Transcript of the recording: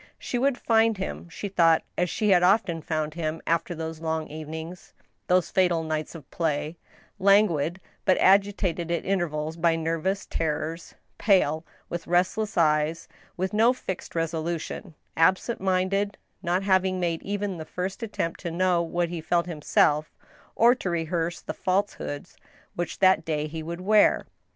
She would find him, she thought, as she had often found him after those long evenings — those fatal nights of play — languid, but agitated at intervals by nervous terrors, pale, with restless eyes, with no fixed resolution, absent minded, not having made even the first attempt to know what he felt himself, or to rehearse the falsehoods which that day he would wear.